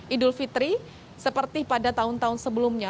idul fitri seperti pada tahun tahun sebelumnya